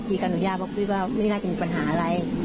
คุยกันอนุญาตเพราะคุยว่าไม่น่าจะมีปัญหาอะไร